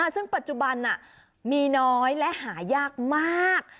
ซึ่งปัจจุบันมีน้อยและหายากมาก